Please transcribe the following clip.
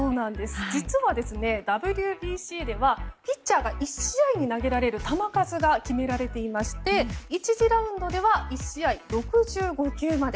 実は、ＷＢＣではピッチャーが１試合に投げられる球数が決められていまして１次ラウンドでは１試合６５球まで。